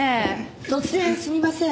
突然すみません。